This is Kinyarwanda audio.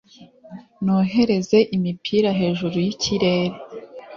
nohereze imipira hejuru yikirere